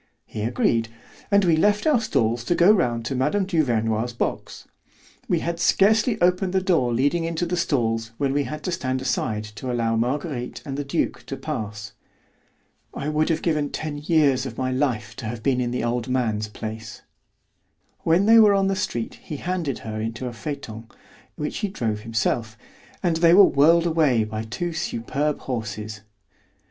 He agreed, and we left our stalls to go round to Mme. Duvernoy's box. We had scarcely opened the door leading into the stalls when we had to stand aside to allow Marguerite and the duke to pass. I would have given ten years of my life to have been in the old man's place. When they were on the street he handed her into a phaeton, which he drove himself, and they were whirled away by two superb horses.